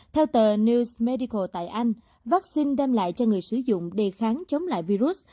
theo tờ news medical tại anh vaccine đem lại cho người sử dụng đề kháng chống lại virus